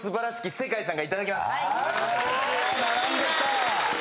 並んできた。